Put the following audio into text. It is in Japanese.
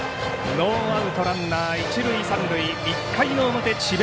ノーアウト、ランナー一塁三塁１回表智弁